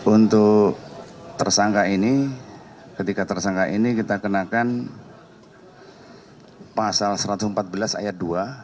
untuk tersangka ini ketika tersangka ini kita kenakan pasal satu ratus empat belas ayat dua